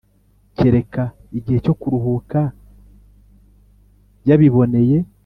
Kereka igihe cyo kuruhuka yabiboneye